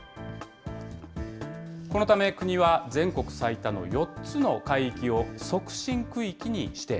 このため国は、全国最多の４つの海域を促進区域に指定。